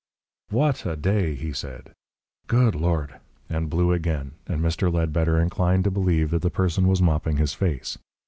"WHAT a day!" he said. "Good Lord!" and blew again, and Mr. Ledbetter inclined to believe that the person was mopping his face.